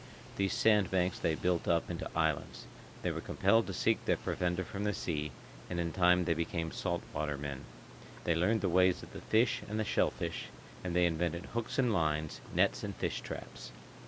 These sand banks they built up into islands. They were compelled to seek their provender from the sea, and in time they became salt water men. They learned the ways of the fish and the shellfish, and they invented hooks and lines, nets and fish traps.